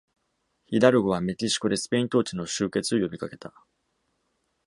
ヒダルゴはメキシコでスペイン統治の終結を呼びかけた。